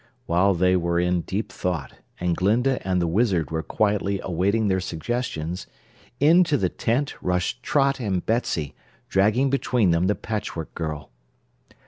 While they were in deep thought, and Glinda and the Wizard were quietly awaiting their suggestions, into the tent rushed Trot and Betsy, dragging between them the Patchwork Girl.